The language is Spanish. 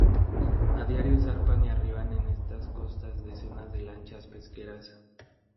A diario zarpan y arriban en estas costas decenas de lanchas pesqueras.